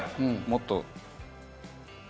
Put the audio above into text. もっと。